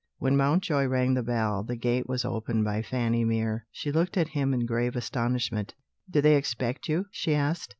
When Mountjoy rang the bell, the gate was opened by Fanny Mere. She looked at him in grave astonishment. "Do they expect you?" she asked.